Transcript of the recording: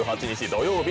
土曜日